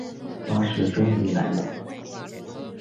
巴士终于来了